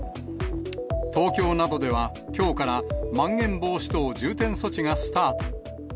東京などでは、きょうからまん延防止等重点措置がスタート。